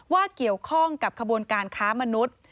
ว่าเกี่ยวข้องกับขบวนการค้ามนุษย์